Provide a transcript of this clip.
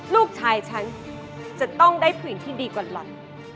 ลูกชายฉันจะต้องได้ผู้หญิงที่ดีกว่าหล่อ